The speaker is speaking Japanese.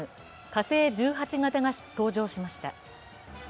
火星１８型が登場しました。